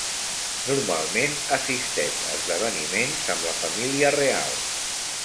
Normalment assisteix a esdeveniments amb la família real.